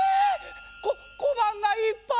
ここばんがいっぱい！